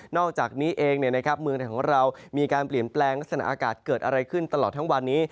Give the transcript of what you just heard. อกจากนี้เองเมืองไทยของเรามีการเปลี่ยนแปลงลักษณะอากาศเกิดอะไรขึ้นตลอดทั้งวันนี้